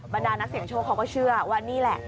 ดานักเสียงโชคเขาก็เชื่อว่านี่แหละ